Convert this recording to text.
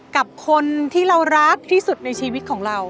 กับคนที่เรารักที่สุดในชีวิตของเรา